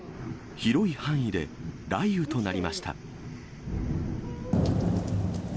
広い範囲で雷雨となりました。